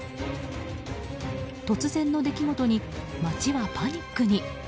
突然の出来事に、街はパニックに。